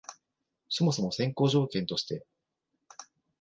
そもそも先行条件として、